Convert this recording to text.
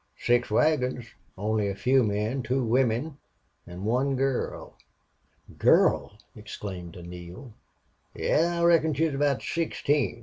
"Six wagons. Only a few men. Two wimmen. An' one girl." "Girl!" exclaimed Neale. "Yes. I reckon she was about sixteen.